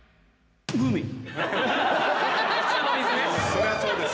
そりゃあそうです。